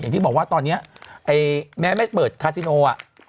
อย่างที่บอกว่าตอนนี้แม้ไม่เปิดคาซิโนอ่ะ